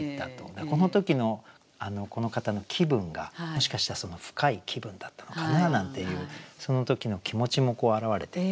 この時のこの方の気分がもしかしたら深い気分だったのかな？なんていうその時の気持ちも表れていて。